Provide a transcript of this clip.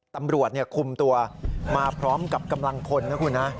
ตำรวจคุมตัวมาพร้อมกับกำลังพลนะคุณนะ